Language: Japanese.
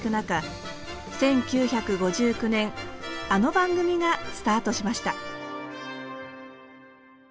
１９５９年あの番組がスタートしました。